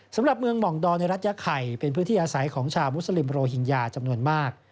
สำหรับเมืองหม่องดอในรัฐยาไข่เป็นพื้นที่อาศัยของชาวมุสลิมโรฮิงญาจำนวนมาก